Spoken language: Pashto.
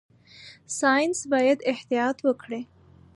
ساينس باید احتیاط وکړي.